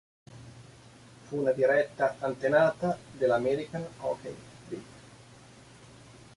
Fu una diretta antenata della American Hockey League.